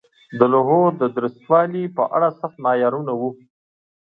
د لوحو د درستوالي په اړه سخت معیارونه وو.